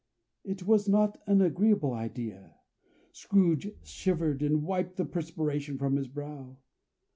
It was not an agreeable idea. Scrooge shivered, and wiped the perspiration from his brow.